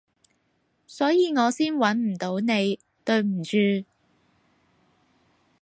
所以我先搵唔到你，對唔住